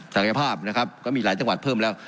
ศักยภาพนะครับก็มีหลายจังหวัดเพิ่มแล้ว